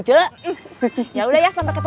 pelan pelan cu